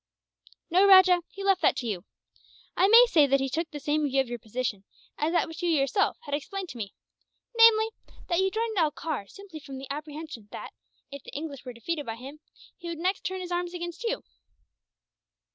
"No, Rajah, he left that to you. I may say that he took the same view of your position as that which you, yourself, explained to me; namely, that you joined Holkar simply from the apprehension that, if the English were defeated by him, he would next turn his arms against you."